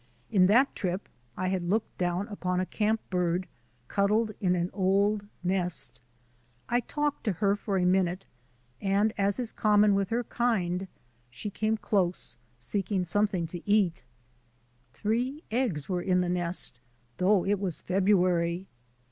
In that trip I had looked down upon a camp bird cuddled in an old nest. I talked to her for a minute, and, as is 5o THE ADVENTURES OF A NATURE GUIDE common with her kind, she came close, seeking some thing to eat. Three eggs were in the nest, though it was February.